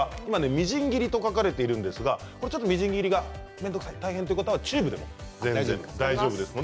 みじん切りと書かれているんですがみじん切りが面倒くさい大変という方はチューブでも大丈夫です。